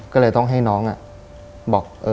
ก็เลยต้องให้น้องบอก